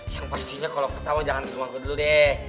yang pastinya kalo pertama jangan di rumah kedua deh